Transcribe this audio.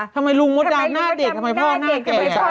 ทำไมลุงมดดำหน้าเด็กทำไมพ่อหน้าแก่